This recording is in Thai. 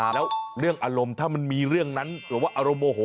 แล้วเรื่องอารมณ์ถ้ามันมีเรื่องนั้นหรือว่าอารมณ์โมโห